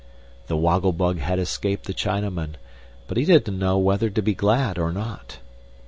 The Woggle Bug had escaped the Chinaman, but he didn't know whether to be glad or not.